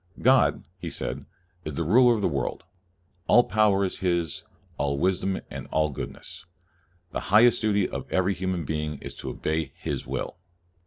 God, he said, is the ruler of the world. All power is His, all wisdom and all goodness. The highest duty of every human being is to obey His will.